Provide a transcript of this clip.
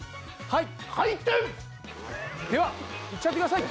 はい！